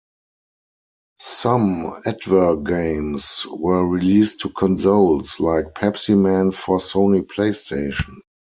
Some advergames were released to consoles, like Pepsiman for Sony PlayStation.